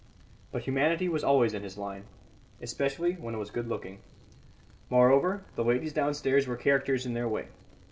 But humanity was always in his line, especially when it was good looking; moreover, the ladies downstairs were characters in their way.